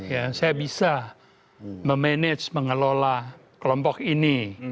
ya saya bisa memanage mengelola kelompok ini